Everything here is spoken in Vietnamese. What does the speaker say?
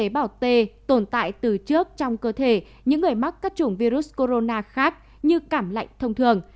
bảo tê tồn tại từ trước trong cơ thể những người mắc các chủng virus corona khác như cảm lạnh thông thường